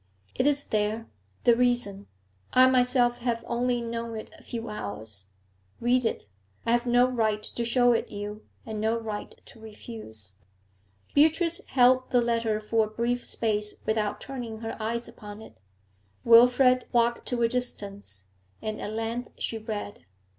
'It is there the reason. I myself have only known it a few hours. Read that. I have no right to show it you and no right to refuse.' Beatrice held the letter for a brief space without turning her eyes upon it. Wilfrid walked to a distance, and at length she read.